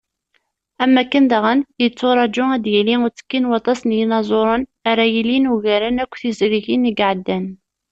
Am wakken daɣen, yetturaǧu ad d-yili uttekki n waṭas n yinaẓuren, ara yilin ugaren akk tizrigin i iɛeddan.